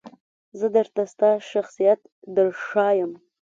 زه درته ستا شخصیت درښایم .